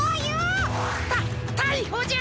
たったいほじゃ！